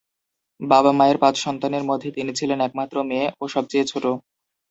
বাবা মায়ের পাঁচ সন্তানের মাঝে তিনি ছিলেন একমাত্র মেয়ে ও সবচেয়ে ছোট।